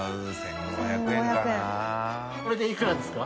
これでいくらですか？